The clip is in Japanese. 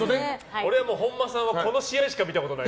俺は本間さんはこの試合しか見たことない。